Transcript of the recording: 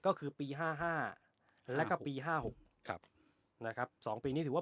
ก็คือปีห้าห้าแล้วก็ปีห้าหกครับนะครับสองปีนี้ถือว่า